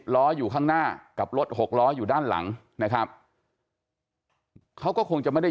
ล้ออยู่ข้างหน้ากับรถหกล้ออยู่ด้านหลังนะครับเขาก็คงจะไม่ได้